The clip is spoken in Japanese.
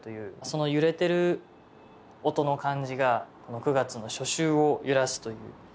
その揺れてる音の感じがこの９月の「初秋を揺らす」という。